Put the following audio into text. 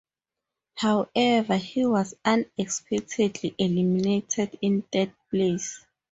However, he was unexpectedly eliminated in third place.